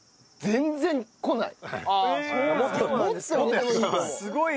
全然こない。